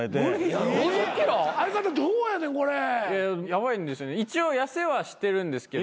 ヤバいんですよね。